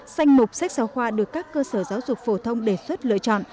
sách giáo khoa được các cơ sở giáo dục phổ thông đề xuất lựa chọn